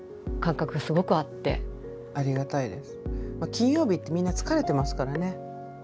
金曜日ってみんな疲れてますからね。